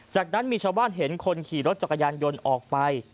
จากนั้นมีชาวบ้านเห็นคนขี่รถจักรยานยนต์ออกไป